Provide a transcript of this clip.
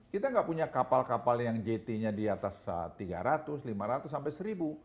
kita nggak punya kapal kapal yang jt nya di atas tiga ratus lima ratus sampai seribu